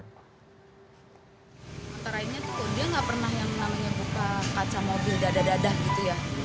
antara ini dia nggak pernah yang namanya buka kaca mobil dadah dadah gitu ya